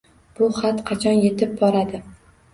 Bu xat qachon yetib boradi?